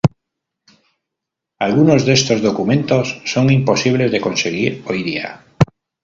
Algunos de estos documentos son imposibles de conseguir hoy día.